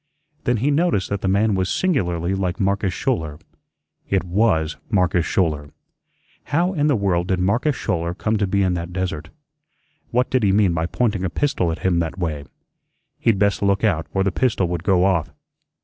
Then he noticed that the man was singularly like Marcus Schouler. It WAS Marcus Schouler. How in the world did Marcus Schouler come to be in that desert? What did he mean by pointing a pistol at him that way? He'd best look out or the pistol would go off.